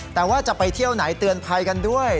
แต่ว่าจะไปเที่ยวไหนเตือนภัยกันด้วย